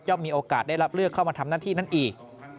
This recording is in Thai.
มีโอกาสได้รับเลือกเข้ามาทำหน้าที่นั้นอีก